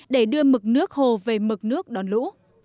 để đưa mực nước hồ về mực nước đón lũ